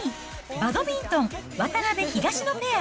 バドミントン、渡辺・東野ペア。